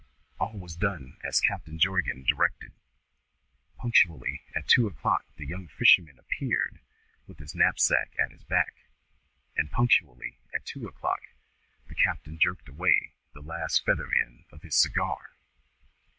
All was done as Captain Jorgan directed. Punctually at two o'clock the young fisherman appeared with his knapsack at his back; and punctually at two o'clock the captain jerked away the last feather end of his cigar.